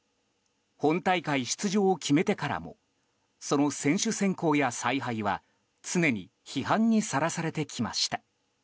本大会出場を決めてからもその選手選考や采配は常に批判にさらされてきました。